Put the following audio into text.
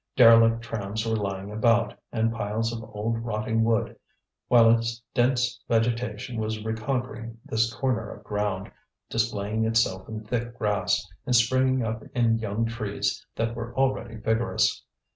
Derelict trams were lying about, and piles of old rotting wood, while a dense vegetation was reconquering this corner of ground, displaying itself in thick grass, and springing up in young trees that were already vigorous.